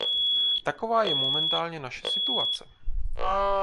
Taková je momentálně naše situace.